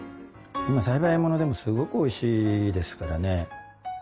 今栽培ものでもすごくおいしいですからね。